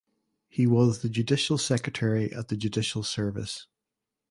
He was the judicial secretary at the Judicial Service.